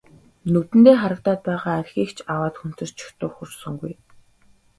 Нүдэндээ харагдаад байгаа архийг ч аваад хөнтөрчих дур хүрсэнгүй.